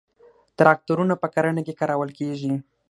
تراکتورونه په کرنه کې کارول کیږي